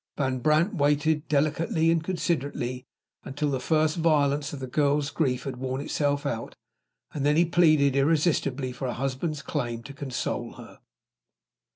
Van Brandt waited, delicately and considerately, until the first violence of the girl's grief had worn itself out, and then he pleaded irresistibly for a husband's claim to console her.